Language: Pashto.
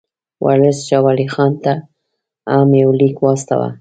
ورلسټ شاه ولي خان ته هم یو لیک واستاوه.